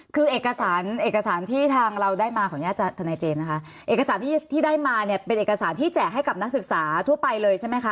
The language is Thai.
คือเอกสารเอกสารที่ทางเราได้มาขออนุญาตจากทนายเจมส์นะคะเอกสารที่ที่ได้มาเนี่ยเป็นเอกสารที่แจกให้กับนักศึกษาทั่วไปเลยใช่ไหมคะ